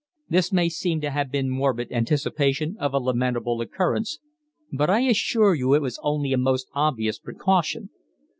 This may seem to have been morbid anticipation of a lamentable occurrence, but I assure you it was only a most obvious precaution.